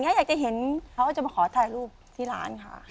อยากจะเฮ็นเค้าจะมาขอทายรูปที่ร้านค่ะ